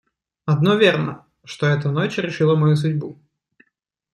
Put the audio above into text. Одно верно, что эта ночь решила мою судьбу.